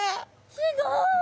すごい！